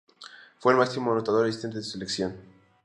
Fue el máximo anotador y asistente de su selección.